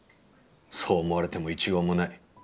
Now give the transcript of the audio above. そう思われても一言もない。